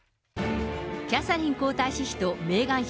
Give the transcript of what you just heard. キャサリン皇太子妃とメーガン妃